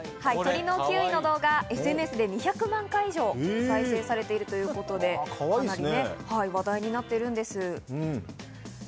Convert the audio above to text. ＳＮＳで２００万回以上、再生されているということで話題になっているんです。